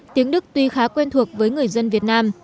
tiếng đức tuy khá quen thuộc với người dân việt nam